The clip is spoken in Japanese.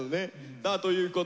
さあということで。